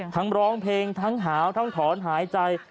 ร้องเพลงทั้งหาวทั้งถอนหายใจ